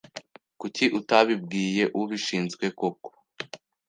Kuki utabibwiye ubishinzwe koko ?